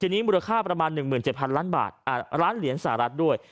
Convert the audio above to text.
ทีนี้มูลค่าประมาณ๑๗๐๐ล้านบาทล้านเหรียญสหรัฐด้วย